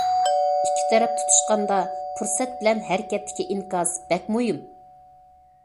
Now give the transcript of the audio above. ئىككى تەرەپ تۇتۇشقاندا پۇرسەت بىلەن ھەرىكەتتىكى ئىنكاس بەك مۇھىم.